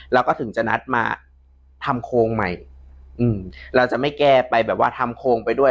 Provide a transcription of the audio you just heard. เราก็ถึงจะนัดมาทำโครงใหม่อืมเราจะไม่แก้ไปแบบว่าทำโครงไปด้วย